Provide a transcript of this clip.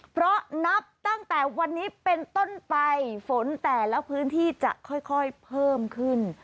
เพราะนับตั้งแต่วันนี้เป็นต้นไปฝนแต่ละพื้นที่จะค่อยเพิ่มขึ้น